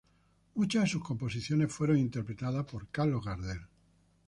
Muchas de sus composiciones fueron interpretadas por Carlos Gardel.